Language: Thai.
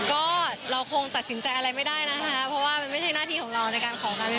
ก็เราคงตัดสินใจอะไรไม่ได้นะคะ